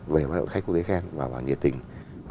về khách quốc tế khen và nhiệt tình